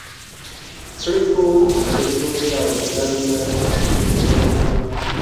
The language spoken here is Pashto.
څړیکو له سوزه او له درده ښکلوله تلمه